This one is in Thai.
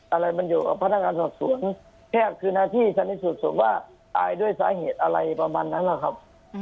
อะไรมันอยู่กับพันธการสอบสวนแพทย์คืนนาที่สรรพิสุทธิ์ส่วนว่าตายด้วยสาเหตุอะไรประมาณนั้นนะครับ